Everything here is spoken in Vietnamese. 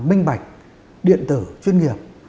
minh bạch điện tử chuyên nghiệp